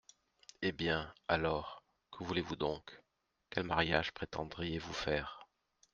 Eh bien, alors, que voulez-vous donc ? quel mariage prétendriez-vous faire ?